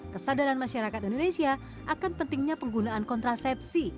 kesadaran masyarakat indonesia akan pentingnya penggunaan kontrasepsi